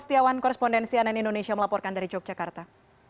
setiawan korrespondensi anen indonesia melaporkan dari yogyakarta